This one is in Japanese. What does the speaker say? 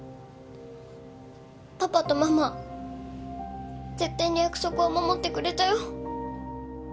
パパとママは絶対に約束は守ってくれたよ。